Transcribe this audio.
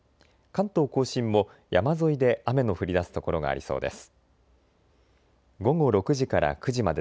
関東甲信も山沿いで雨の降りだす所がありそうです。